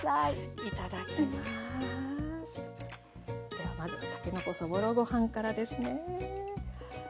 ではまずたけのこそぼろご飯からですね。